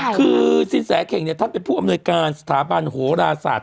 คือสินแสเข่งเนี่ยท่านเป็นผู้อำนวยการสถาบันโหราศาสตร์